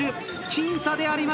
僅差であります。